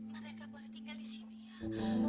mereka boleh tinggal disini ya